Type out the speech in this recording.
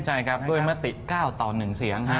ใช่ครับด้วยมติ๙ต่อ๑เสียง